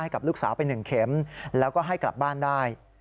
กับลูกสาวไป๑เข็มแล้วก็ให้กลับบ้านได้